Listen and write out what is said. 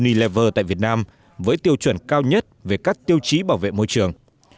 nilever tại việt nam với tiêu chuẩn cao nhất về các tiêu chí bảo vệ môi trường